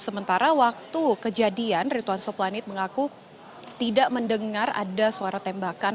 sementara waktu kejadian rituan soplanit mengaku tidak mendengar ada suara tembakan